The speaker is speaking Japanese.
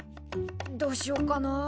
どうしよっかな。